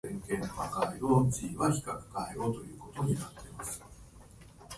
最近嘆かわしいことは、活字に触れる若者が減っていることだ。